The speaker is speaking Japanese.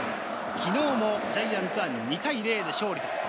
昨日はジャイアンツは２対０で勝利。